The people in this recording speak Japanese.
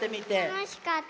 たのしかった。